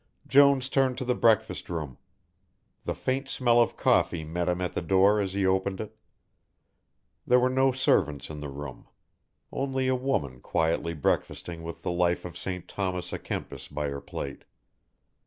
Jones turned to the breakfast room. The faint smell of coffee met him at the door as he opened it. There were no servants in the room. Only a woman quietly breakfasting with the Life of St. Thomas à Kempis by her plate.